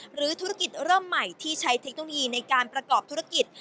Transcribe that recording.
หรือธุรกิจเริ่มใหม่ที่ใช้เทคโนโลยีในการประกอบธุรกิจ